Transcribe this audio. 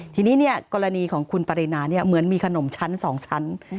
ทีนี้เนี่ยกรณีของคุณปรินาเนี่ยเหมือนมีขนมชั้นสองชั้น